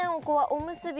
おむすび